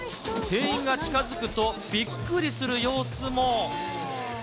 店員が近づくと、びっくりする様子も。